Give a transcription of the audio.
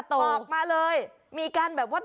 ออกมาเลยมีการแบบว่า